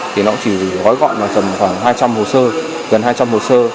thì nó chỉ gói gọn vào khoảng hai trăm linh hồ sơ gần hai trăm linh hồ sơ